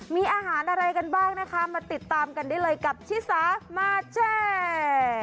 มีอาหารอะไรกันบ้างนะคะมาติดตามกันได้เลยกับชิสามาแชร์